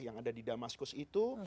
yang ada di damaskus itu